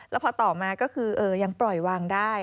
แล้วพอต่อมาก็คือยังปล่อยวางได้